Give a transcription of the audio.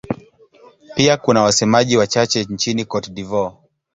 Pia kuna wasemaji wachache nchini Cote d'Ivoire.